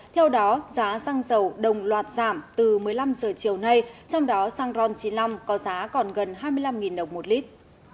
theo đó giá xăng dầu đồng loạt giảm từ một mươi năm giờ chiều nay trong đó xăng ron chín mươi năm có giá còn gần hai mươi năm đồng một lít